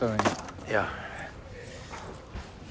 いや。